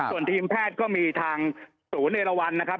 ส่วนทีมแพทย์ก็มีทางศูนย์เอราวันนะครับ